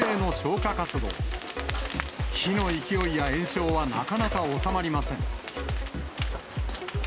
火の勢いや延焼はなかなか収まりません。